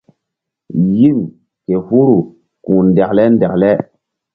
Yim ke huru ku̧h ndekle ndekle.